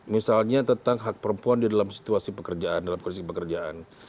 misalnya tentang hak perempuan di dalam situasi pekerjaan dalam kondisi pekerjaan